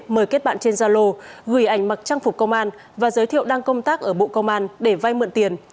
đoạn trên gia lô gửi ảnh mặc trang phục công an và giới thiệu đang công tác ở bộ công an để vay mượn tiền